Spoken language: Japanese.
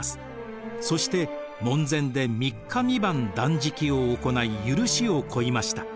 そして門前で３日３晩断食を行い許しを請いました。